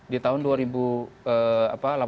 di tahun dua ribu sembilan belas tidak ada